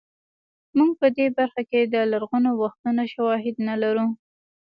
موږ په دې برخه کې د لرغونو وختونو شواهد نه لرو